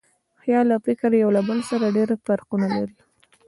خیال او فکر یو له بل سره ډېر فرقونه لري.